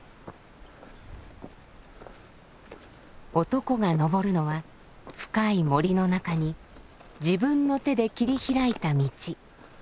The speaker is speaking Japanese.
男が登るのは深い森の中に自分の手で切り開いた道。